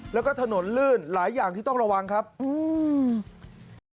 แล้วก็ถนนลื่นหลายอย่างที่ต้องระวังครับอืม